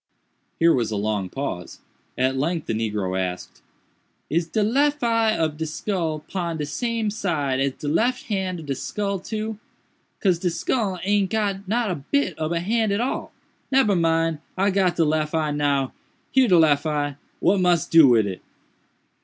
Here was a long pause. At length the negro asked, "Is de lef eye of de skull pon de same side as de lef hand of de skull, too?—cause de skull aint got not a bit ob a hand at all—nebber mind! I got de lef eye now—here de lef eye! what mus do wid it?"